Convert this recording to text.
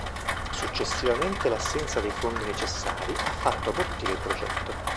Successivamente, l'assenza dei fondi necessari, ha fatto abortire il progetto.